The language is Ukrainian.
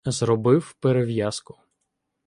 Зробив перев'язку.